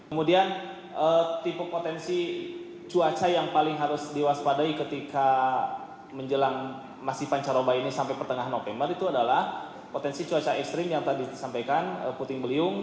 kemudian tipe potensi cuaca yang paling harus diwaspadai ketika menjelang masih pancaroba ini sampai pertengahan november itu adalah potensi cuaca ekstrim yang tadi disampaikan puting beliung